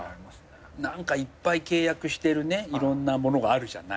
何かいっぱい契約してるねいろんなものがあるじゃない。